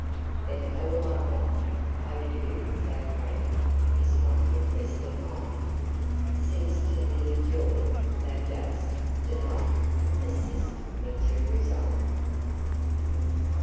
Then all I want—O do Thou grantThis one request of mine!—Since to enjoy Thou dost deny, Assist me to resign.